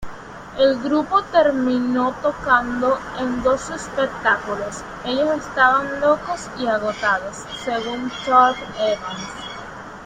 El grupo terminó tocando en dos espectáculos "Ellos estaban locos y agotados", según Thorpe-Evans.